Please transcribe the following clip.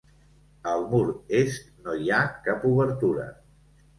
Al mur est no hi ha cap obertura.